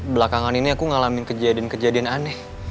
belakangan ini aku ngalamin kejadian kejadian aneh